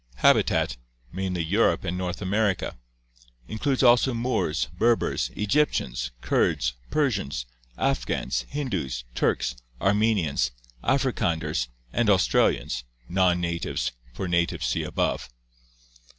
Habitat: Mainly Europe and North America; includes also Moors, Berbers, Egyptians, Kurds, Persians, Afghans, Hin dus, Turks, Armenians, Africanders, and Australians (non native, for natives see above).